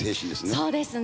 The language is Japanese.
そうですね。